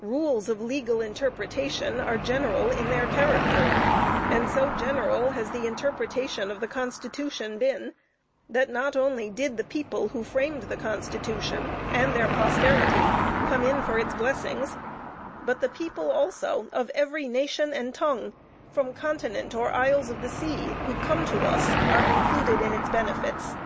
"Rules of legal interpretation are general in their character," and so general has the interpretation of the Constitution been, that not only did the people who framed the Constitution, and their posterity, come in for its blessings, but the people also of every nation and tongue, from continent or isles of the sea, who come to us, are included in its benefits.